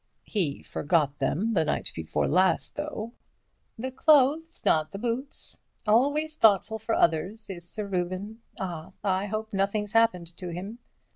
"He forgot them the night before last, though." "The clothes, not the boots. Always thoughtful for others, is Sir Reuben. Ah! I hope nothing's happened to him."